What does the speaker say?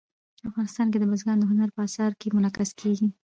افغانستان کې بزګان د هنر په اثار کې منعکس کېږي.